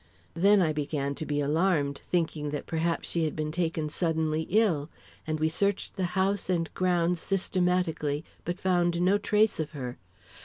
Then I began to be alarmed, thinking that she had perhaps been taken suddenly ill, and we searched the house and grounds systematically, but found no trace of her.